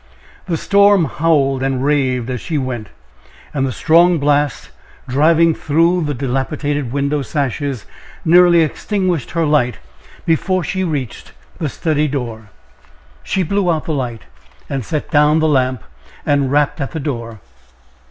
The storm howled and raved as she went, and the strong blast, driving through the dilapidated window sashes, nearly extinguished her light before she reached the study door. She blew out the light and set down the lamp, and rapped at the door.